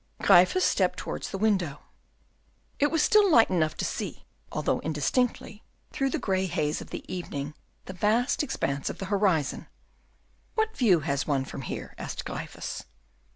Gryphus stepped towards the window. It was still light enough to see, although indistinctly, through the gray haze of the evening, the vast expanse of the horizon. "What view has one from here?" asked Gryphus.